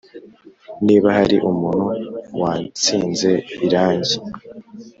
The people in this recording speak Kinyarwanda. niba hari umuntu wansize irangi.